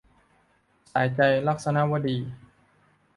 สายใจ - ลักษณวดี